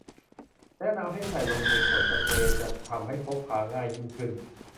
แนะนำให้ใส่ลงในขวดสเปรย์จะทำให้พกพาง่ายยิ่งขึ้น